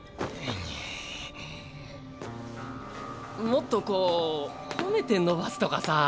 もっとこう褒めて伸ばすとかさぁ。